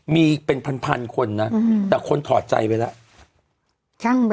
มีเป็นพันพันคนนะอือแต่คนถอดใจไปแล้วช่างไปแล้ว